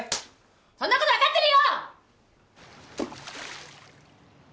そんなこと分かってるよ！